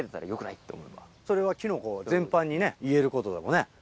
それはキノコ全般にねいえることだもんね。